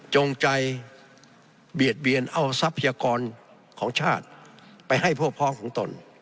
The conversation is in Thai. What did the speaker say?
จงใจเบียดเบียนเอาทรัพยากรของชาติไปให้พวกพ้องของตน